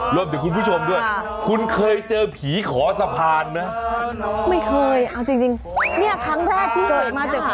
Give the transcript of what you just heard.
รวมถึงคุณผู้ชมด้วยคุณเคยเจอผีขอสะพานไหม